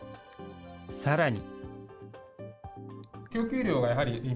さらに。